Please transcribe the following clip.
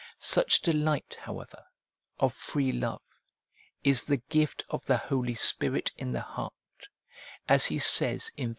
Such delight, however, of free love is the gift of the Holy Spirit in the heart, as he says in v.